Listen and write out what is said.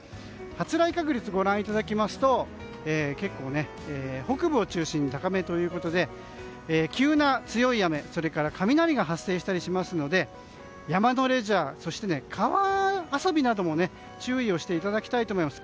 発雷確率をご覧いただきますと結構、北部を中心に高めということで急な強い雨雷が発生したりしますので山のレジャー、そして川遊びなども注意をしていただきたいと思います。